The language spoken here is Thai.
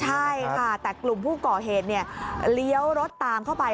ใช่ค่ะแต่กลุ่มผู้ก่อเหตุเลี้ยวรถตามเข้าไป